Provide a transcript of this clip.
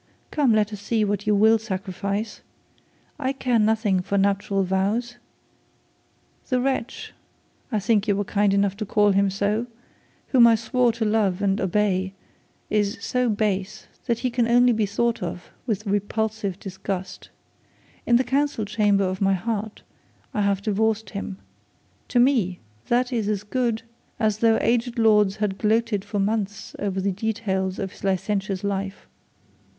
Come let us see what you will sacrifice. I care nothing for nuptial vows. The wretch, I think you were kind enough to call him so, whom I swore to love and obey, is so base that he can only be thought of with repulsive disgust. In the council chamber of my heart I have divorced him. To me that is as good as though aged lords had gloated for months over the details of his licentious life.